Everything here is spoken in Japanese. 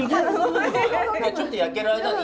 ちょっと焼ける間に。